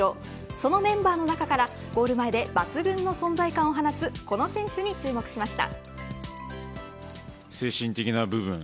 そのメンバーの中からゴール前で抜群の存在感を放つこの選手に注目しました。